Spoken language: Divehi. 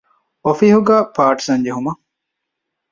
އޮފީހުގައި ޕާޓީޝަން ޖެހުމަށް